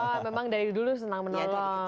wah memang dari dulu senang menolong